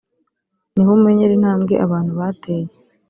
niho umenyera intambwe abantu bateye